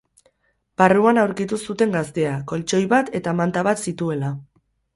Barruan aurkitu zuten gaztea, koltxoi bat eta manta bat zituela.